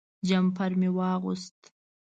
جمپر مې واغوست.